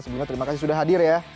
sebelumnya terima kasih sudah hadir ya